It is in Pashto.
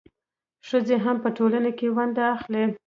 ښځې هم په ټولنه کې ونډه اخلي.